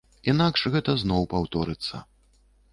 Інакш гэта зноў паўторыцца.